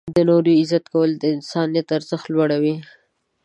• د نورو عزت کول د انسان ارزښت لوړوي.